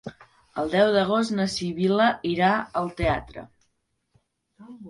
El deu d'agost na Sibil·la irà al teatre.